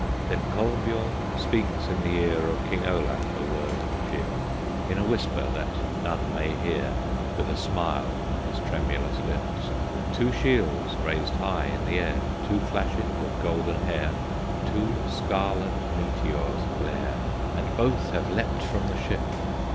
Then Kolbiorn speaks in the ear Of King Olaf a word of cheer, In a whisper that none may hear, With a smile on his tremulous lip; Two shields raised high in the air, Two flashes of golden hair, Two scarlet meteors' glare, And both have leaped from the ship.